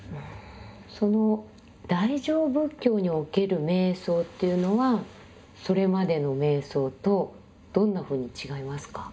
その大乗仏教における瞑想というのはそれまでの瞑想とどんなふうに違いますか？